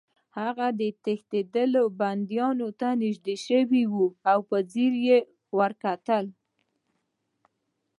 هغه تښتېدلي بندیانو ته نږدې شو او په ځیر یې وکتل